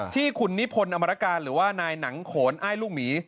ที่คุณนิพนธ์อมรการหรือว่านายหนังโขนอ้ายลูกหมี